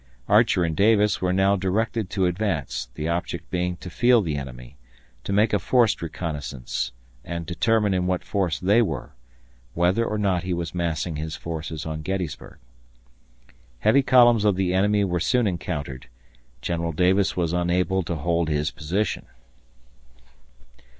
... Archer and Davis were now directed to advance, the object being to feel the enemy, to make a forced reconnaissance and determine in what force they were whether or not he was massing his forces on Gettysburg. Heavy columns of the enemy were soon encountered. ... General Davis was unable to hold his position.